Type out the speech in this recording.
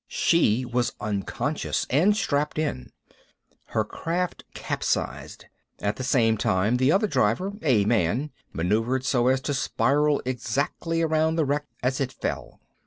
She was unconscious, and strapped in! Her craft capsized. At the same time the other driver a man maneuvered so as to spiral exactly around the wreck as it fell.